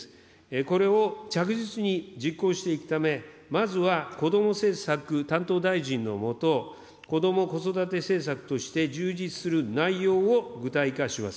これを着実に実行していくため、まずはこども政策担当大臣の下、こども・子育て政策として充実する内容を具体化します。